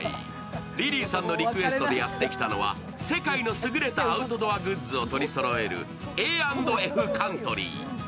リリーさんのリクエストでやって来たのは世界の優れたアウトドアグッズを取りそろえるＡ＆Ｆカントリー。